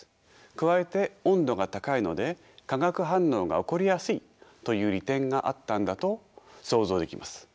加えて温度が高いので化学反応が起こりやすいという利点があったんだと想像できます。